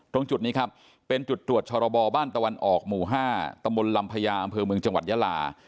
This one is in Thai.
ตรงจุดนี้ครับเป็นจุดตรวจชรบบ้านตะวันออกหมู่๕ตำบลลำพญาอำเภอเมืองจังหวัดยาลา